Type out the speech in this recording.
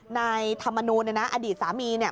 นายธรรมนูลเนี่ยนะอดีตสามีเนี่ย